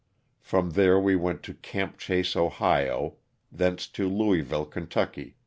From there we went to "Camp Chase," Ohio, thence to Louisville, Ky.